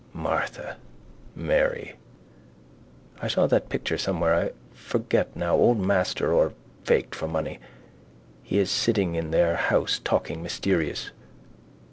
Martha, Mary. I saw that picture somewhere I forget now old master or faked for money. He is sitting in their house, talking. Mysterious.